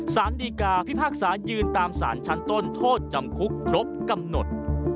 สารดีกาพิพากษายืนตามสารชั้นต้นโทษจำคุกครบกำหนด